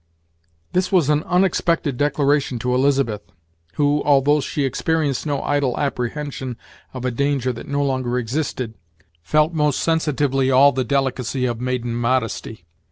This was an unexpected declaration to Elizabeth, who, although she experienced no idle apprehension of a danger that no longer existed, felt most sensitively all the delicacy of maiden modesty.